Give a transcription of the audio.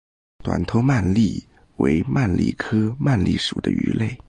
短头鳗鲡为鳗鲡科鳗鲡属的鱼类。